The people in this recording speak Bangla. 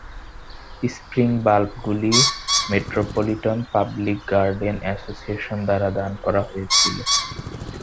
স্প্রিং বাল্বগুলি মেট্রোপলিটন পাবলিক গার্ডেন অ্যাসোসিয়েশন দ্বারা দান করা হয়েছিল।